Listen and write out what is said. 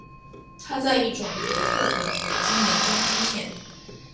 它在一种独特的伟晶岩中出现。